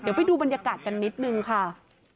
เดี๋ยวไปดูบรรยากาศกันนิดนึงค่ะ